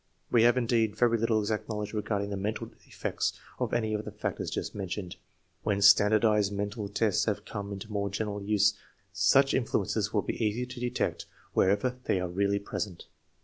We have, indeed, very little exact knowledge regarding the mental effects of any of the factors just mentioned. When standardized mental tests have come into more general use, such influences will be easy to detect wherever they are really present.